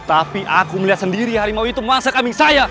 tapi aku melihat sendiri harimau itu memasak kambing saya